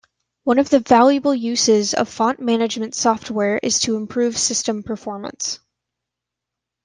One of the valuable uses of font management software is to improve system performance.